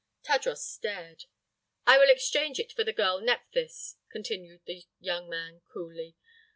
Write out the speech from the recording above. Tadros stared. "I will exchange it for the girl Nephthys," continued the young man, coolly.